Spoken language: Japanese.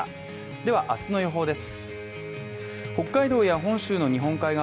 では明日の予報です。